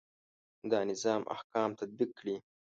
دا نظام احکام تطبیق کړي.